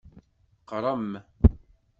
Qrem.